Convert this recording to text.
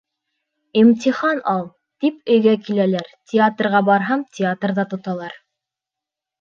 Имтихан ал, тип өйгә киләләр, театрға барһам, театрҙа тоталар.